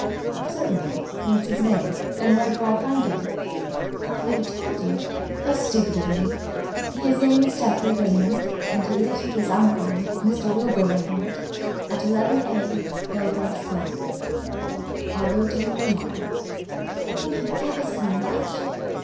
"Certainly. What is his name, and where do I find him?" "I never told you. How stupid of me. His name is Geoffrey Raymond, and he lives with his uncle, Mr. Wilbur Raymond, at 11a, Belgrave Square." "I'll go to him tomorrow." "Thank you ever so much."